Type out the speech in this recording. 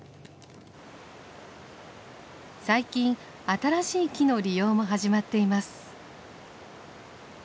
最近新しい木の利用も始まっています。